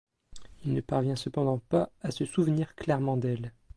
Il ne parvient cependant pas à se souvenir clairement d'elle.